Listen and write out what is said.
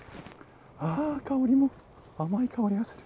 香りも、甘い香りがする。